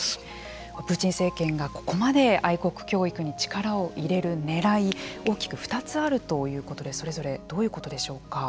プーチン政権がここまで愛国教育に力を入れるねらい大きく２つあるということでそれぞれどういうことでしょうか？